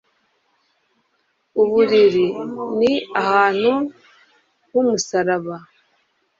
uburiri ni ahantu h'umusaraba